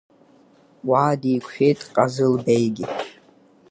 Уа диқәшәеит ҟазылбеигьы.